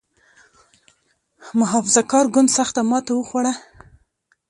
محافظه کار ګوند سخته ماته وخوړه.